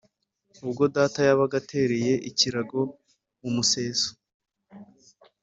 Ubwo data yabaga atereye ikirago mu museso